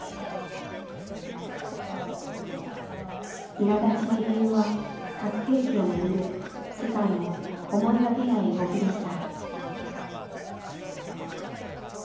いらだちの理由は核兵器をめぐる世界の思いがけない動きでした。